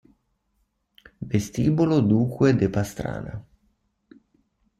Vestibolo Duque de Pastrana